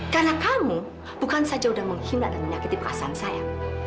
karena kamu bukan saja sudah menghina dan menyakiti perasaan saya